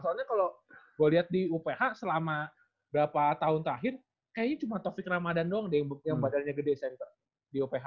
soalnya kalau gue lihat di uph selama berapa tahun terakhir kayaknya cuma topik ramadan doang deh yang badannya gede center di uph